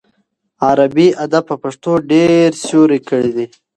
عربي ادب په پښتو ډېر سیوری کړی دی.